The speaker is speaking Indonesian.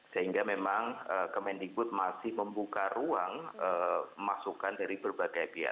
sehingga memang kemendikbud masih membuka ruang masukan dari berbagai pihak